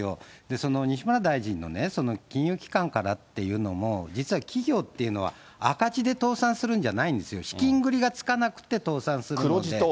その西村大臣の金融機関からっていうのも、実は企業っていうのは、赤字で倒産するんじゃないんですよ、資金繰りがつかなくて倒産するので。